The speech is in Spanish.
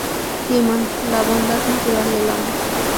Simón, la bondad natural del hombre.